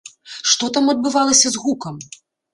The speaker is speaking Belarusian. Што там адбывалася з гукам?